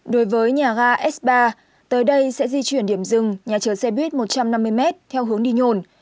đối với nhà ga s ba tới đây sẽ di chuyển điểm dừng nhà chở xe buýt một trăm năm mươi m theo hướng đi nhồn